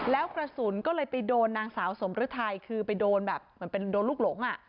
แล้วกระสุนก็เลยไปโดนนางสาวสมฤทัยคือไปโดนแบบเหมือนเป็นโดนลูกหลงอ่ะ